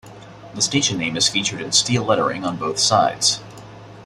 The station name is featured in steel lettering on both sides.